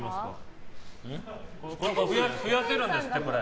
増やせるんですって、これ。